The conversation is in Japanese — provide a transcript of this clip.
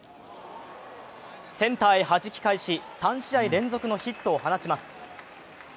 センターへはじき返し３試合連続のヒットを放ちます。